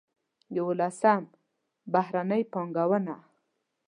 یولسم: بهرنۍ پانګونه.